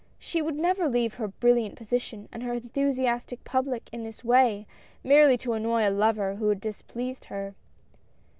She would never leave her brilliant position and her enthusiastic public in this way, merely to annoy a lover who had displeased her.